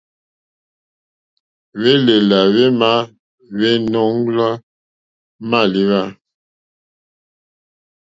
Hwélèlà hwémá hwéɲɔ́ǃɔ́ mâléwá.